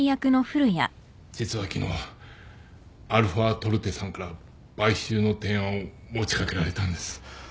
実は昨日αトルテさんから買収の提案を持ち掛けられたんです。